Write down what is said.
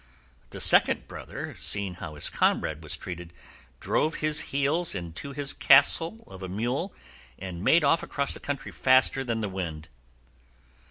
The second brother, seeing how his comrade was treated, drove his heels into his castle of a mule and made off across the country faster than the wind.